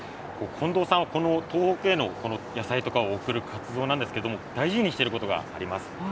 近藤さんはこの東北への、この野菜とかを送る活動なんですけれども、大事にしていることがあります。